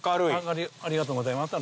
ありがとうございます。